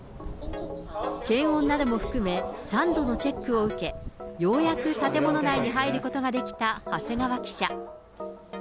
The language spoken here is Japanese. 検温なども含め、３度のチェックを受け、ようやく建物内に入ることができた長谷川記者。